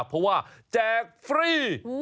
เพราะว่าแจกฟรี